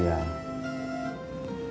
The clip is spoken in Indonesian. yang gabar ya kang